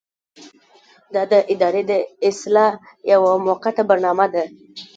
دا د ادارې د اصلاح یوه موقته برنامه ده.